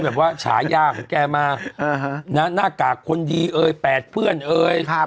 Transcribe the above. แบบว่าฉายาของแกมาหน้ากากคนดีเอ่ยแปดเพื่อนเอ่ย